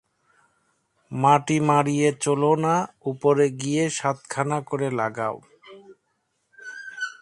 মাটি মাড়িয়ে চলে না, ওপরে গিয়ে সাতখানা করে লাগায়।